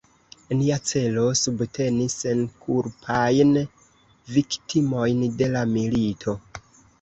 Nia celo: subteni senkulpajn viktimojn de la milito.